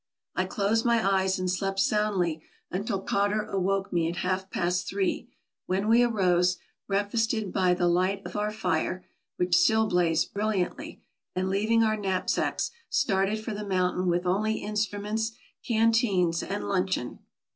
I closed my eyes and slept soundly until Cotter awoke me at half past three, when we arose, breakfasted by th . light of our fire, which still blazed brilliantly, and, leaving our 118 TRAVELERS AND EXPLORERS knapsacks, started for the mountain with only instruments, canteens, and luncheon.